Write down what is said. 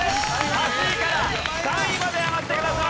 ８位から３位まで上がってください。